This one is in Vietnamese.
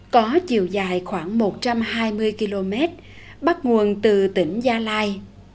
có chiều dài khoảng một trăm hai mươi km bắt nguồn từ tỉnh gia lai